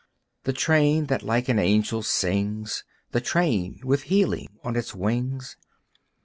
The train, that like an angel sings, The train, with healing on its wings.